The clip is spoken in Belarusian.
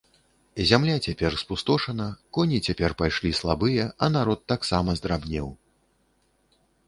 Зямля цяпер спустошана, коні цяпер пайшлі слабыя, а народ таксама здрабнеў.